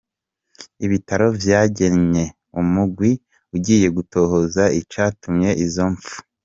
Ibitaro vyagenye umugwi ugiye gutohoza icatumye izo mpfu.